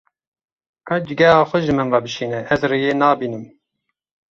Ka cîgeha xwe ji min re bişîne, ez rêyê nabînim.